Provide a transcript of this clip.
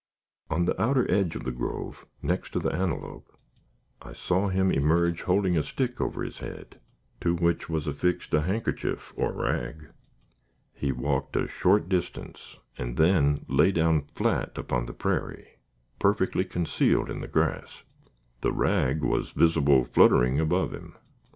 On the outer edge of the grove, next to the antelope, I saw him emerge, holding a stick over his head, to which was affixed a handkerchief or rag. He walked a short distance, and then lay down flat upon the prairie, perfectly concealed in the grass. The rag was visible, fluttering above him.